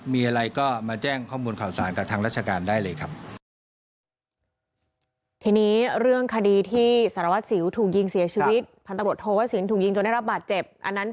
มีอะไรก็มาแจ้งข้อมูลข่าวสารกับทางราชการได้เลยครับ